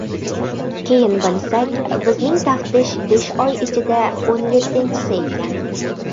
Keyin bilsak, bizning taftish besh oy ichida o‘n yettinchisi ekan.